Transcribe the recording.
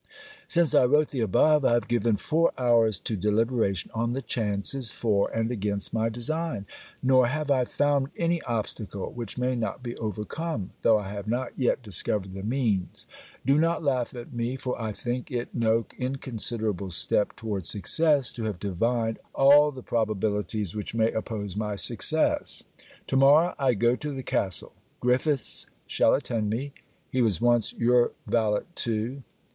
_ Since I wrote the above I have given four hours to deliberation on the chances for and against my design; nor have I found any obstacle which may not be overcome, though I have not yet discovered the means. Do not laugh at me, for I think it no inconsiderable step toward success to have divined all the probabilities which may oppose my success. To morrow, I go to the castle. Griffiths shall attend me. He was once your valet too.